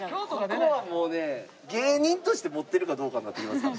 ここはもうね芸人として持ってるかどうかになってきますから。